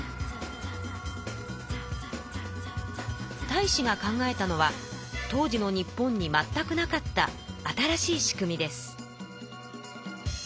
太子が考えたのは当時の日本にまったくなかった新しい仕組みです。